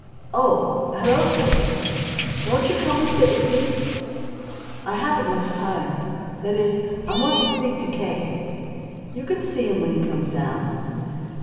"Oh hello, Chris." "Won't you come and sit with me?" "I haven't much time that is, I want to speak to K." "You can see him when he comes down."